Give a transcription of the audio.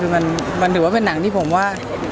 มันถือว่าเป็นหนังที่ผมว่า